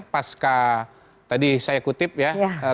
pasca tadi saya kutip ya